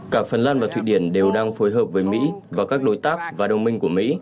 cả phần lan và thụy điển đều đang phối hợp với mỹ và các đối tác và đồng minh của mỹ